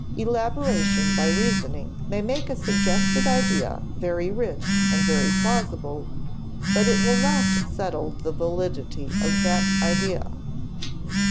Elaboration by reasoning may make a suggested idea very rich and very plausible, but it will not settle the validity of that idea.